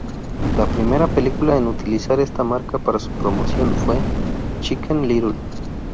La primera película en utilizar esta marca para su promoción, fue "Chicken Little".